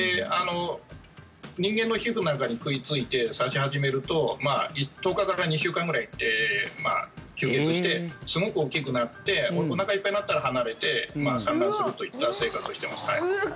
人間の皮膚なんかに食いついて刺し始めると１０日から２週間ぐらい吸血してすごく大きくなっておなかいっぱいになったら離れて産卵するといったうわ、怖っ。